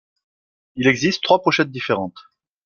Il existe trois pochettes différentes.